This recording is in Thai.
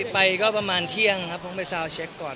ไปก็ประมาณเที่ยงครับเพราะว่าไปซาวน์เช็คก่อน